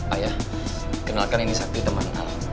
ayah kenalkan ini sakti teman alam